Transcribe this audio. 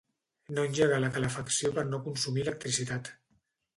No engegar la calefacció per no consumir electricitat.